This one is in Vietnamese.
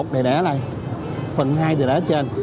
để ở đây phần hai thì để ở trên